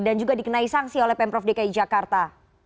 dan juga dikenai sanksi oleh pemprov dki jakarta